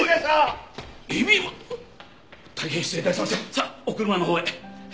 さあお車のほうへ。